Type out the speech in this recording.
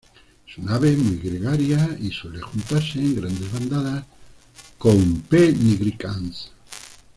Es un ave muy gregaria y suele juntarse en grandes bandadas con "P. nigricans".